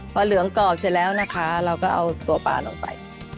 พอเหลืองกรอบเสร็จแล้วนะคะเราก็เอาตัวปลาลงไป